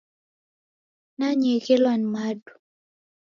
Nanyeghelwa ni madu.